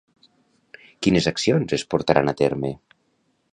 Quines accions es portaran a terme?